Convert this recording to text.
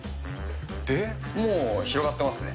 もう広がってますね。